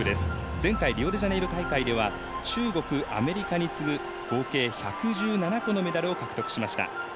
前回、リオデジャネイロ大会では中国、アメリカに次ぐ合計１１７個のメダルを獲得しました。